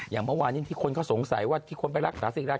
อย่างเมื่อวานนี้ที่คนเขาสงสัยว่าที่คนไปรักษาศิรา